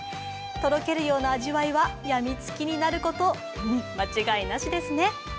とろけるような味わいはやみつきになること間違いなしですね。